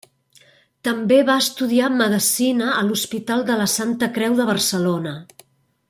També va estudiar medicina a l'Hospital de la Santa Creu de Barcelona.